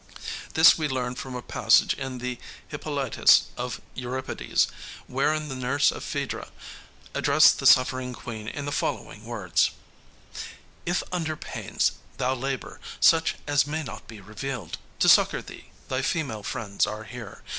This we learn from a passage in the Hippolytus of Euripides, wherein the nurse of Phædra addressed the suffering queen in the following words: "If under pains Thou labor, such as may not be revealed, To succor thee thy female friends are here.